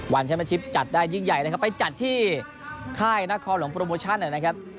วันเช่นนี้จัดได้ยิ่งใหญ่เลยครับไปจัดที่ค่ายนครหลวงโปรโมชั่น